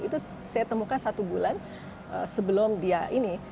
itu saya temukan satu bulan sebelum dia ini